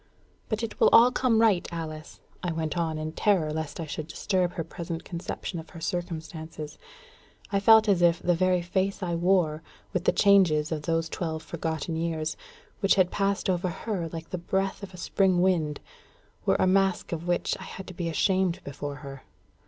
"But it will all come right, Alice," I went on in terror lest I should disturb her present conception of her circumstances. I felt as if the very face I wore, with the changes of those twelve forgotten years, which had passed over her like the breath of a spring wind, were a mask of which I had to be ashamed before her.